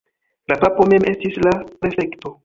La papo mem estis la prefekto.